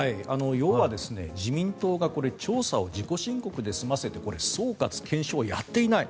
要は自民党が調査を自己申告で済ませて総括、検証をやっていない。